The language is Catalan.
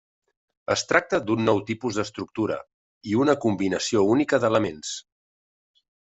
Es tracta d'un nou tipus d'estructura, i una combinació única d'elements.